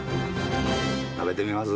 食べてみます？